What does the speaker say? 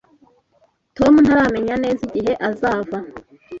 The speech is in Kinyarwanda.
Tom ntaramenya neza igihe azava